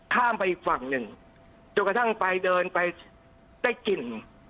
ข้ามไปอีกฝั่งหนึ่งจนกระทั่งไปเดินไปได้กลิ่น